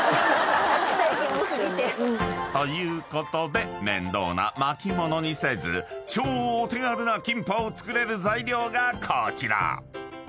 ［ということで面倒な巻物にせず超お手軽なキンパを作れる材料がこちら］